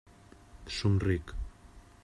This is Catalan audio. Somric.